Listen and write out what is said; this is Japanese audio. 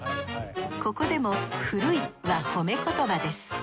ここでも「古い」はホメ言葉です。